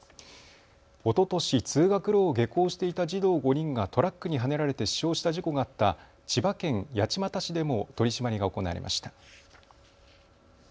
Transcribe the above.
おととし通学路を下校していた児童５人がトラックにはねられて死傷した事故があった千葉県八街市でも取締りが行われました。